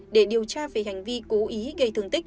để điều tra về hành vi cố ý gây thương tích